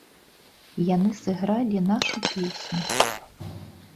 Яны сыгралі нашу песню!